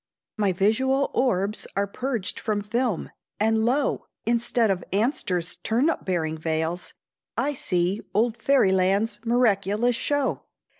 "My visual orbs are purged from film, and lo! "Instead of Anster's turnip bearing vales "I see old fairy land's miraculous show!